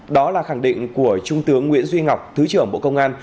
đó là khẳng định của trung tướng nguyễn duy ngọc thứ trưởng bộ công an